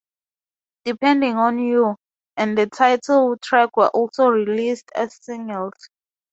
"Depending on You" and the title track were also released as singles.